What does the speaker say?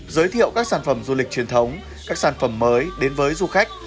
giới thiệu các sản phẩm du lịch truyền thống các sản phẩm mới đến với du khách